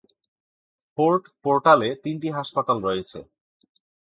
Fort পোর্টালে তিনটি হাসপাতাল রয়েছে।